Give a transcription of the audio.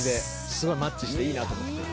すごいマッチしていいなと。